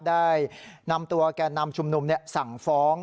ได้นำตัวการนำชุมนุมเนี่ยสั่งฟ้อง